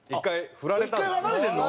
１回別れてるの？